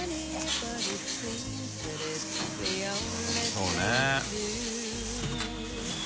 そうね。